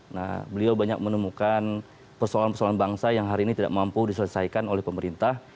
nah beliau banyak menemukan persoalan persoalan bangsa yang hari ini tidak mampu diselesaikan oleh pemerintah